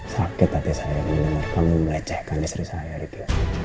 sakit hati saya mendengar kamu melecehkan istri saya gitu ya